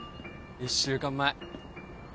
１週間前。